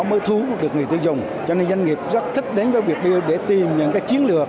mới thú được người tiêu dùng cho nên doanh nghiệp rất thích đến với việt build để tìm những chiến lược